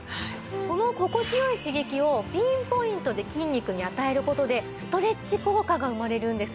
この心地良い刺激をピンポイントで筋肉に与える事でストレッチ効果が生まれるんです。